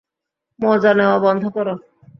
মজা নেওয়া বন্ধ কর।